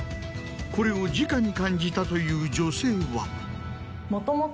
これをじかに感じたという女性は。